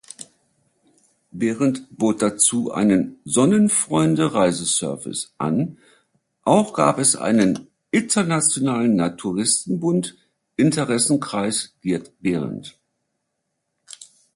Berendt bot dazu einen „Sonnenfreunde-Reiseservice“ an, auch gab es einen „Internationalen-Naturistenbund, Interessenkreis-Gerd-Berendt“.